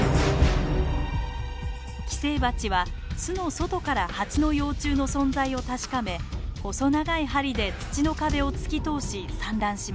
寄生バチは巣の外からハチの幼虫の存在を確かめ細長い針で土の壁を突き通し産卵します。